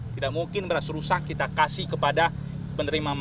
tidak mungkin beras rusak kita kasih kepada penerima manfaat